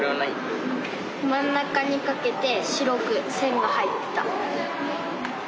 真ん中にかけて白く線が入ってた。